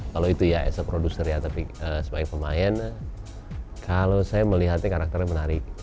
kalau itu ya sebagai produser ya tapi sebagai pemain kalau saya melihatnya karakternya menarik